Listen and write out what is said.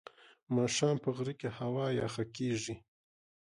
ماښام په غره کې هوا یخه کېږي.